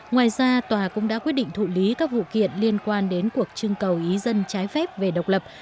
ngoài ra tòa cũng đã quyết định thụ lý các vụ kiện liên quan đến cuộc trưng cầu ý dân trái phép về độc lập